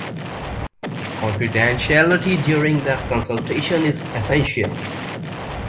Confidentiality during the consultation is essential